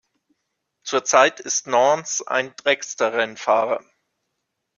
Zurzeit ist Nance ein Dragster-Rennfahrer.